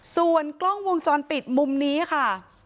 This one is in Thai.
ส่วนกล้องวงจรปิดมุมนี้ค่ะ